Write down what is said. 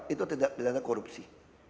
itu tidak berdana korupsi